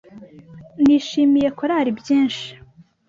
Nishimiye Karoli byinshi.